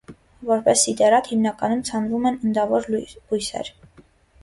Որպես սիդերատ հիմնականում ցանվում են ընդավոր բույսեր։